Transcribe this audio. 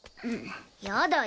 やだよ。